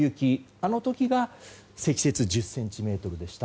あの時が積雪１０ｃｍでした。